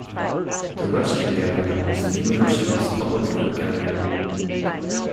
The Ruskin Gallery is the university's public art gallery.